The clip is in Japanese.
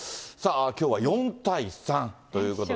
きょうは４対３ということで。